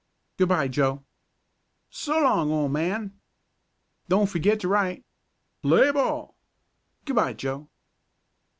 "Good bye, Joe!" "So long, old man!" "Don't forget to write!" "Play ball!" "Good bye, Joe!"